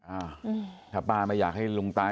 อ่าถ้าป้าไม่อยากให้ลุงตาย